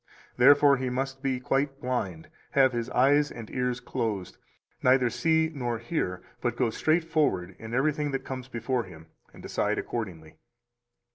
Therefore he must be quite blind, have his eyes and ears closed, neither see nor hear, but go straight forward in everything that comes before him, and decide accordingly.